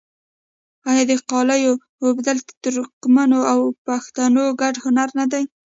آیا د قالیو اوبدل د ترکمنو او پښتنو ګډ هنر نه دی؟